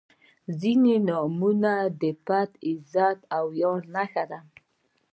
• ځینې نومونه د پت، عزت او ویاړ نښه ده.